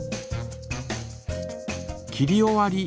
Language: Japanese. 切り終わり。